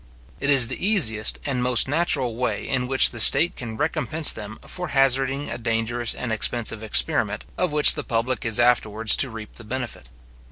It is the easiest and most natural way in which the state can recompense them for hazarding a dangerous and expensive experiment, of which the public is afterwards to reap the benefit.